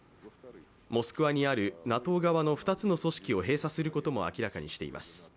モスクワにあるＮＡＴＯ側の２つの組織を閉鎖することも明らかにしています。